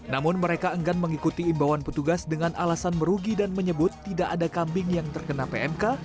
namun mereka enggan mengikuti imbauan petugas dengan alasan merugi dan menyebut tidak ada kambing yang terkena pmk